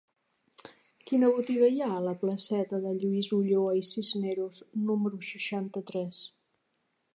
Quina botiga hi ha a la placeta de Lluís Ulloa i Cisneros número seixanta-tres?